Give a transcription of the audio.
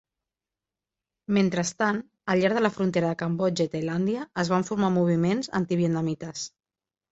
Mentrestant, al llarg de la frontera de Cambodja i Tailàndia es van formar moviments anti-vietnamites.